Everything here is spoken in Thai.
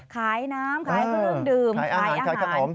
ขายน้ำขายเครื่องดื่มขายอาหาร